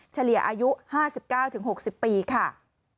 เฉลี่ยอายุ๕๙๖๐ปีค่ะ